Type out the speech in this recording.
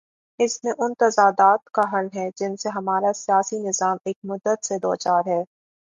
اس میں ان تضادات کا حل ہے، جن سے ہمارا سیاسی نظام ایک مدت سے دوچار ہے۔